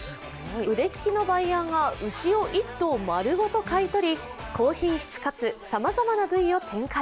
腕利きのバイヤーが牛を１頭丸ごと買い取り、高品質かつさまざまな部位を展開。